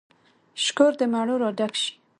شکور د مڼو را ډک شي